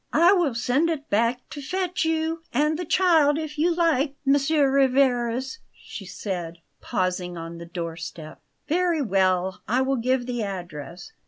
"I will send it back to fetch you and the child, if you like, M. Rivarez," she said, pausing on the doorstep. "Very well; I will give the address."